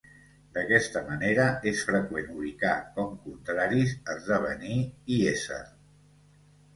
D'aquesta manera és freqüent ubicar com contraris esdevenir i ésser.